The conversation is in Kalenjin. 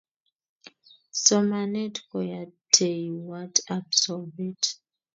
Somanet koyateiwat ab sobet